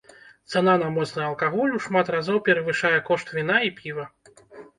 Цана на моцны алкаголь ў шмат разоў перавышае кошт віна і піва.